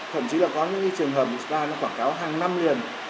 thậm chí là có những trường hợp star nó quảng cáo hàng năm liền